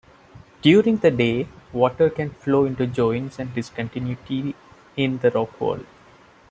During the day, water can flow into joints and discontinuities in the rock wall.